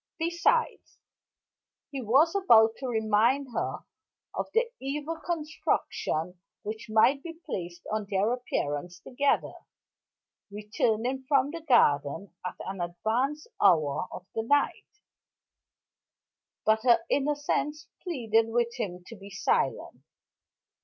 Besides " He was about to remind her of the evil construction which might be placed on their appearance together, returning from the garden at an advanced hour of the night; but her innocence pleaded with him to be silent.